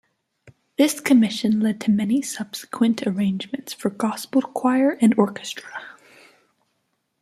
This commission led to many subsequent arrangements for gospel choir and orchestra.